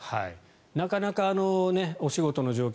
なかなかお仕事の状況